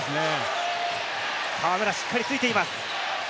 河村、しっかりついています。